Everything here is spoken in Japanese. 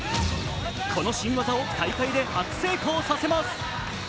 この新技を大会で初成功させます。